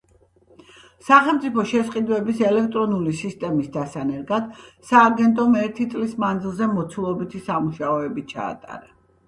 სახელმწიფო შესყიდვების ელექტრონული სისტემის დასანერგად სააგენტომ ერთი წლის მანძილზე მოცულობითი სამუშაოები ჩაატარა.